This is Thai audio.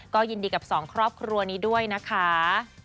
ก็ยินดีกับสองครอบครัวนี้ด้วยนะคะ